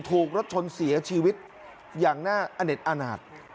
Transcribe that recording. ถูกรถชนเสียชีวิตอย่างน่าอเน็ตอนาจ